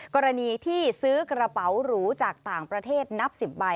กรณีที่ซื้อกระเป๋าหรูจากต่างประเทศนับ๑๐ใบ